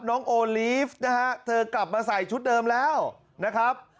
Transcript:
น้องโอลีฟนะฮะเธอกลับมาใส่ชุดเดิมแล้วนะครับ